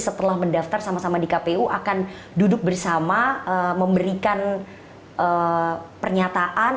setelah mendaftar sama sama di kpu akan duduk bersama memberikan pernyataan